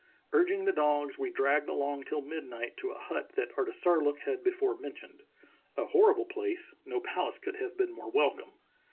Urging the dogs, we dragged along till midnight to a hut that Artisarlook had before mentioned. A horrible place, no palace could have been more welcome.